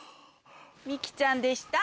美紀ちゃんでした！